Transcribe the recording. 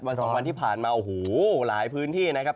วันสองวันที่ผ่านมาหูหลายพื้นที่นะครับ